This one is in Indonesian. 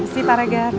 see you pak regan